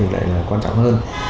rất là quan trọng hơn